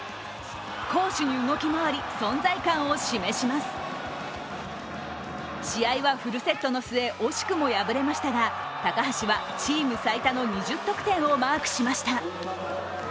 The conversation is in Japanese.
攻守に動き回り、存在感を示します試合はフルセットの末、惜しくも敗れましたが高橋はチーム最多の２０得点をマークしました。